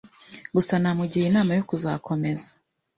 gusa namugira inama yo kuzakomeza